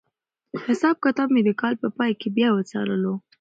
حساب کتاب مې د کال په پای کې بیا وڅارلو.